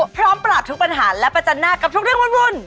พร้อมปราบทุกปัญหาและประจันหน้ากับทุกเรื่องวุ่น